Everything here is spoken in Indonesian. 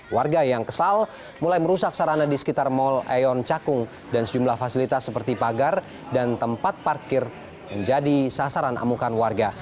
warga yang kesal mulai merusak sarana di sekitar mall aeon cakung dan sejumlah fasilitas seperti pagar dan tempat parkir menjadi sasaran amukan warga